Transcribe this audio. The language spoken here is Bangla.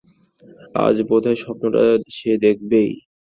আজ বোধহয় স্বপ্নটা সে দেখবেই।